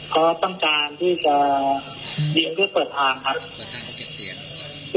ก็ต้องการที่จะยิงเพื่อเปิดทางครับเพื่อไม่ให้ใครต้องการเข้ามาใกล้เราครับ